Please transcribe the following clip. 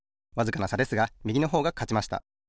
わずかなさですがみぎのほうがかちました。